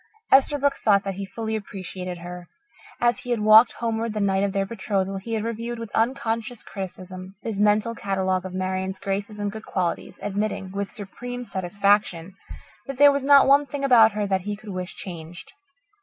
Esterbrook thought that he fully appreciated her. As he had walked homeward the night of their betrothal, he had reviewed with unconscious criticism his mental catalogue of Marian's graces and good qualities, admitting, with supreme satisfaction, that there was not one thing about her that he could wish changed.